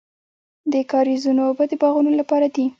د کاریزونو اوبه د باغونو لپاره دي.